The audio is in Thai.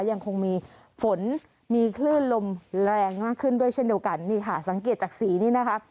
ยังคงมีฝนมีคลื่นลมแรงมากขึ้นด้วยเช่นเดียวกันนี่ค่ะสังเกตจากสีนี้นะคะ